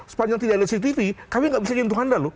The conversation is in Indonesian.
sepanjang tidak ada cctv kami nggak bisa nyentuh anda loh